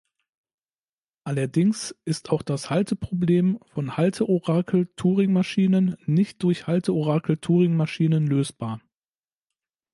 Allerdings ist auch das Halteproblem von Halteorakel-Turingmaschinen nicht durch Halteorakel-Turingmaschinen lösbar.